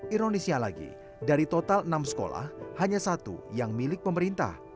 ironisnya lagi dari total enam sekolah hanya satu yang milik pemerintah